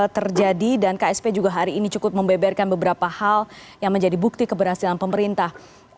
terjadi dan ksp juga hari ini cukup membeberkan beberapa hal yang menjadi bukti keberhasilan pemerintah